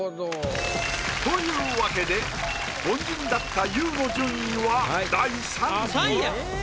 というわけで凡人だったＹＯＵの順位は第３位。